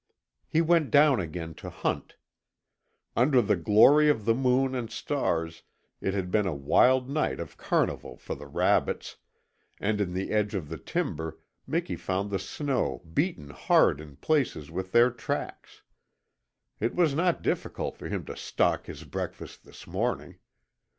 He went down again to hunt. Under the glory of the moon and stars it had been a wild night of carnival for the rabbits, and in the edge of the timber Miki found the snow beaten hard in places with their tracks. It was not difficult for him to stalk his breakfast this morning.